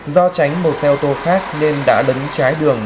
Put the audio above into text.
do tránh một xe ô tô khác nên đã lấn trái đường